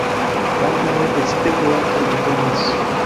Baldaŭe precipe kroatoj alvenis.